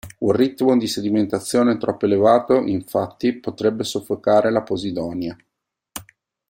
Un ritmo di sedimentazione troppo elevato, infatti, potrebbe soffocare la posidonia.